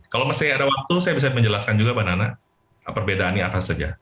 kalau masih ada waktu saya bisa menjelaskan juga mbak nana perbedaannya apa saja